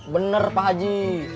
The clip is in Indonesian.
bener pak haji